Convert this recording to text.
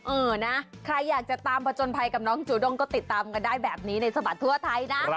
เออนะใครอยากจะตามผจญภัยกับน้องจูด้งก็ติดตามกันได้แบบนี้ในสบัดทั่วไทยนะ